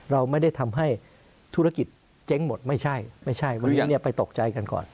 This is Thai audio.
เราไม่ได้ทำให้ธุรกิจเจ๊งหมดไม่ใช่ไม่ใช่วันนี้ไปตกใจกันก่อน